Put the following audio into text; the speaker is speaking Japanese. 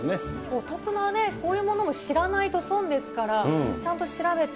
お得なね、こういうものも知らないと損ですから、ちゃんと調べて。